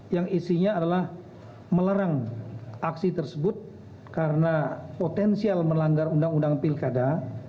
yang isinya adalah melarang aksi tersebut karena potensial melanggar undang undang pilkada